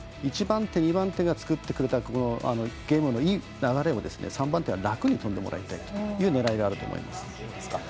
１番手、２番手が作ってくれたゲームのいい流れを３番手は楽に飛んでもらいたいという狙いがあると思います。